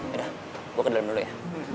udah gue ke dalam dulu ya